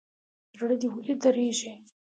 زړه دي ولي درزيږي.